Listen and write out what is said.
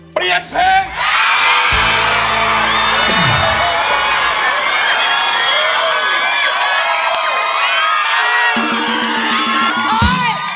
เปลี่ยนเพลง